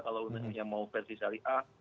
kalau untuk yang mau versi seri a